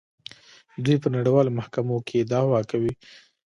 دوی په نړیوالو محکمو کې دعوا کوي.